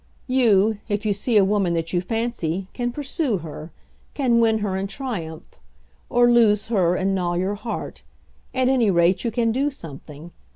You, if you see a woman that you fancy, can pursue her, can win her and triumph, or lose her and gnaw your heart; at any rate you can do something.